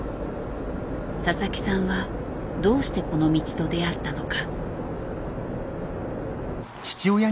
佐々木さんはどうしてこの道と出会ったのか。